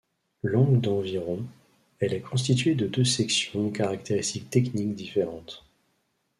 Longue d'environ elle est constituée de deux sections aux caractéristique techniques différentes.